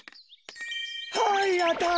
はいあたり！